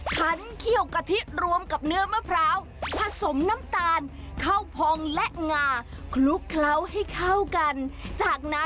คันเคี่ยวกะทิรวมกับเนื้อมะพร้าว